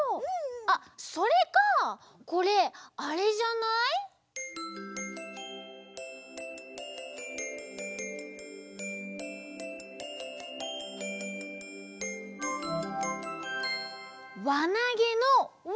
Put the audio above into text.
あっそれかこれあれじゃない？わなげのわ！